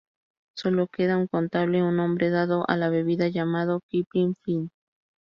Sólo queda un contable, un hombre dado a la bebida llamado Kipling Flynn.